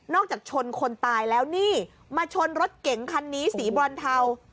จากชนคนตายแล้วนี่มาชนรถเก๋งคันนี้สีบรอนเทา